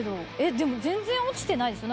でも全然落ちてないですよ。